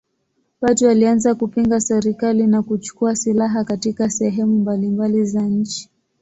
Watu walianza kupinga serikali na kuchukua silaha katika sehemu mbalimbali za nchi.